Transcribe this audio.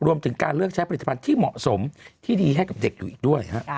รวมถึงการเลือกใช้ผลิตภัณฑ์ที่เหมาะสมที่ดีให้กับเด็กอยู่อีกด้วย